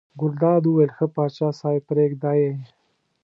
ګلداد وویل ښه پاچا صاحب پرېږده یې.